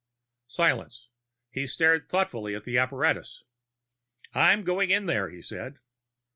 Silence. He stared thoughtfully at the apparatus. "I'm going in there," he said.